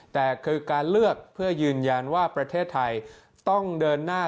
แต่คือการเลือกเพื่อยืนยันว่าประเทศไทยต้องเดินหน้า